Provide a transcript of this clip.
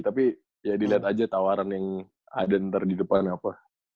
tapi ya diliat aja tawaran yang ada ntar di depan apa